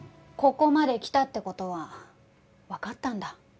ここまで来たって事はわかったんだ